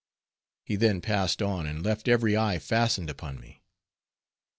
He then passed on, and left every eye fastened upon me.